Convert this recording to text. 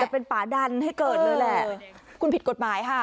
เป็นป่าดันให้เกิดเลยแหละคุณผิดกฎหมายค่ะ